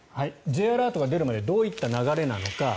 Ｊアラートが出るまでどういった流れなのか。